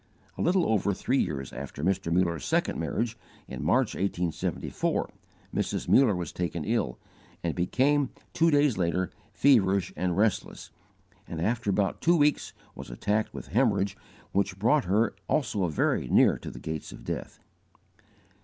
A little over three years after Mr. Muller's second marriage, in March, 1874, Mrs. Muller was taken ill, and became, two days later, feverish and restless, and after about two weeks was attacked with hemorrhage which brought her also very near to the gates of death.